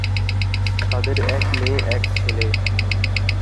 তাদের এক মেয়ে, এক ছেলে।